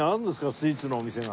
スイーツのお店が。